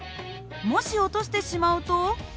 もし落としてしまうと。